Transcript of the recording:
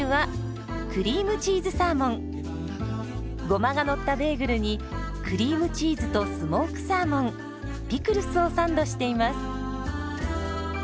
ゴマがのったベーグルにクリームチーズとスモークサーモンピクルスをサンドしています。